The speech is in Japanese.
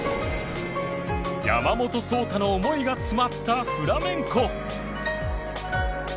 山本草太の思いが詰まったフラメンコ。